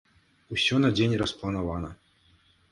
Усё на дзень распланавана.